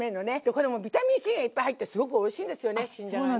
これもうビタミンＣがいっぱい入ってすごくおいしいんですよね新じゃがね。